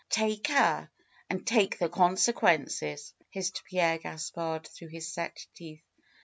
^^Take her and take the consequences!" hissed Pierre Gaspard through his set teeth.